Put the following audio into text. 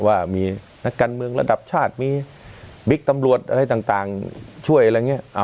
ว่ามีนักการเมืองระดับชาติมีบิ๊กตำรวจอะไรต่างช่วยอะไรอย่างนี้